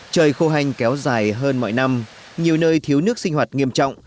trời khô hanh kéo dài hơn mọi năm nhiều nơi thiếu nước sinh hoạt nghiêm trọng